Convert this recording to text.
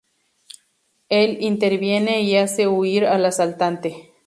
Él interviene y hace huir al asaltante.